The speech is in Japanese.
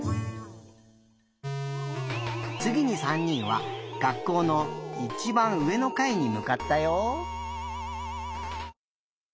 つぎに３にんは学校のいちばんうえのかいにむかったよ。